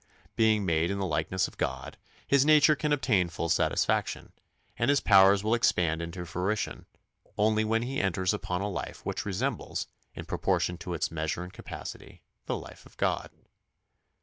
Being made in the likeness of God, his nature can obtain full satisfaction, and his powers will expand into fruition, only when he enters upon a life which resembles, in proportion to its measure and capacity, the life of God.